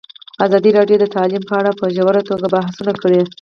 ازادي راډیو د تعلیم په اړه په ژوره توګه بحثونه کړي.